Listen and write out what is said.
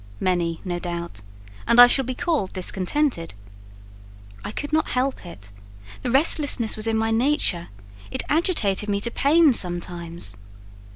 Many, no doubt; and I shall be called discontented. I could not help it: the restlessness was in my nature; it agitated me to pain sometimes.